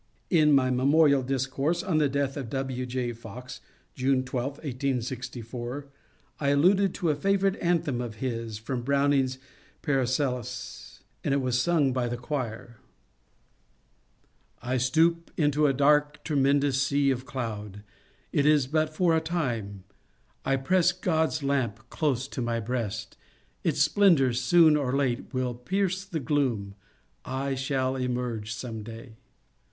In my memorial discourse on the death of W. J. Fox (June 12, 1864) I alluded to a favourite anthem of his, from Browning's ^^ Paracelsus," and it was sung by the choir. NEARER, MY GOD, TO THEE 29 I stoop Into a dark tremendoiui sea of oload. It is bat for a time: I press Grod's lamp Close to mj breast: its splendours soon or late Will pierce the gloom: I shall emerge some day.